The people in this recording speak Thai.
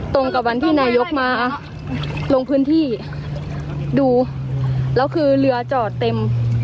ตรงกับวันที่นายกมาลงพื้นที่ดูแล้วคือเรือจอดเต็ม